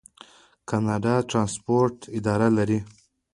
کاناډا د ټرانسپورټ اداره لري.